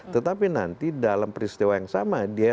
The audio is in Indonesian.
tetapi nanti dalam peristiwa yang sama dia